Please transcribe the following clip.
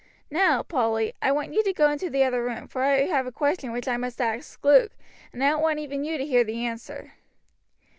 Now, Polly, I want you to go into the other room, for I have a question which I must ask Luke, and I don't want even you to hear the answer."